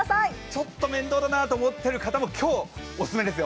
ちょっと面倒だなと思っている方も今日オススメです。